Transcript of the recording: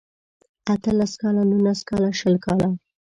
اته لس کاله نولس کاله شل کاله